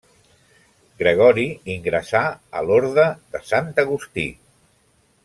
Gregori ingressà a l'Orde de Sant Agustí.